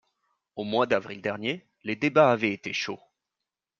Au mois d’avril dernier, les débats avaient été chauds.